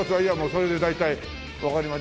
それで大体わかりました。